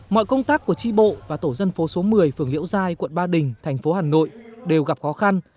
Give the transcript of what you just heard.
mọi công tác của tri bộ và tổ dân phố số một mươi phường liễu giai quận ba đình thành phố hà nội đều gặp khó khăn